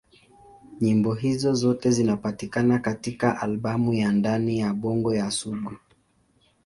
Nyimbo hizo zote zinapatikana katika albamu ya Ndani ya Bongo ya Sugu.